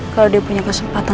kalau dia punya kesempatan